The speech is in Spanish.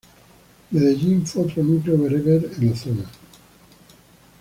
Medellín fue otro núcleo bereber en la zona.